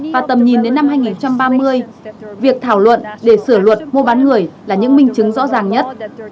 và tầm nhìn đến năm hai nghìn ba mươi việc thảo luận để sửa luật mua bán người là những minh chứng rõ ràng nhất